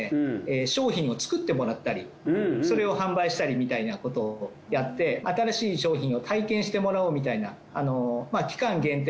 商品を作ってもらったりそれを販売したりみたいなことをやって新しい商品を体験してもらおうみたいな期間限定